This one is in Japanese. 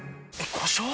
故障？